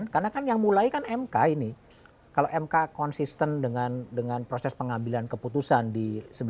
karena kan yang mulai kan mk ini kalau mk konsisten dengan proses pengambilan keputusan di sembilan puluh